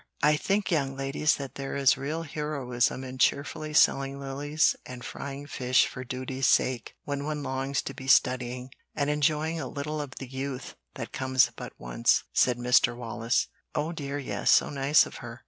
I think, young ladies, that there is real heroism in cheerfully selling lilies and frying fish for duty's sake when one longs to be studying, and enjoying a little of the youth that comes but once," said Mr. Wallace. "Oh dear, yes, so nice of her!